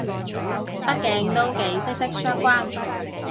畢竟都幾息息相關